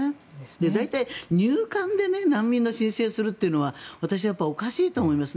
大体、入管で難民の申請をするというのは私はやっぱりおかしいと思います。